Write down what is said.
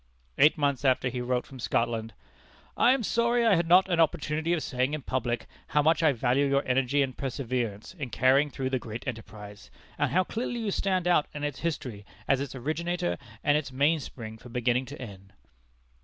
Eight months after he wrote from Scotland: "I am sorry I had not an opportunity of saying in public how much I value your energy and perseverance in carrying through the great enterprise, and how clearly you stand out in its history as its originator and its mainspring from beginning to end."